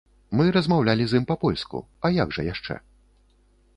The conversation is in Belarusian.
Мы размаўлялі з ім па-польску, а як жа яшчэ?